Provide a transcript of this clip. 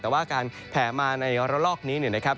แต่ว่าการแผ่มาในระลอกนี้เนี่ยนะครับ